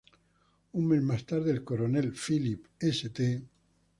Un mes más tarde, el coronel Philip St.